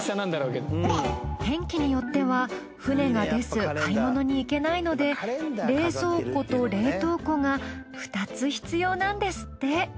天気によっては船が出ず買い物に行けないので冷蔵庫と冷凍庫が２つ必要なんですって。